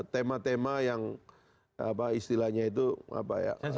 tema tema yang istilahnya itu tabu begitu loh